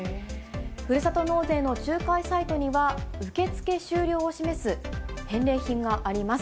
ふるさと納税の仲介サイトには、受け付け終了を示す返礼品があります。